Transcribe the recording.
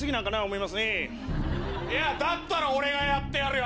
いやだったら俺がやってやるよ